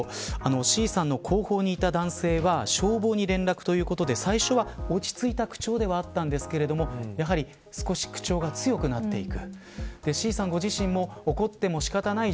Ｃさんの後方にいた男性は消防に連絡ということで最初は落ち着いた口調ではあったんですけどやはり少し口調が強くなっていく。